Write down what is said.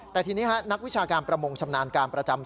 แต่ทีนี้นักวิชาการประมงชำนาญการประจำ